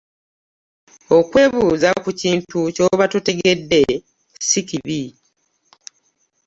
Okwebuuza ku kintu ky'oba totegedde si kibi.